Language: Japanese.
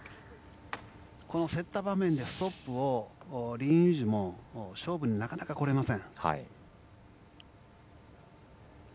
競った場面でストップをリン・インジュも勝負になかなかこれません。